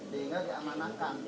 sehingga diamankan pada pihak kki